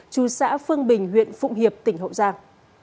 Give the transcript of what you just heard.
chú xã phương bình huyện phụng hiệp tỉnh hậu giang